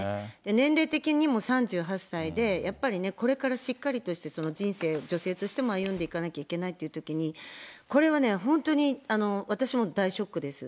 年齢的にも３８歳で、やっぱりね、これからしっかりとして、人生を、女性としても歩んでいかなきゃいけないというときに、これはね、本当に私も大ショックです。